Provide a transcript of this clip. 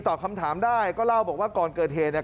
ตอบคำถามได้ก็เล่าบอกว่าก่อนเกิดเหตุเนี่ย